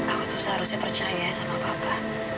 aku seharusnya percaya sama papa